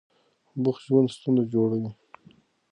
بوخت ژوند ستونزه جوړوي.